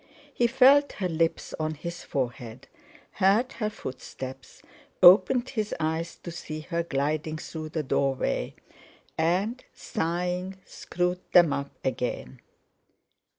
He felt her lips on his forehead, heard her footsteps; opened his eyes to see her gliding through the doorway, and, sighing, screwed them up again.